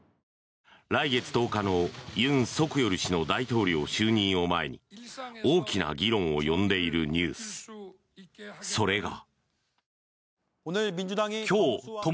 来月１０日の尹錫悦氏の大統領就任を前に大きな議論を呼んでいるニュースそれが。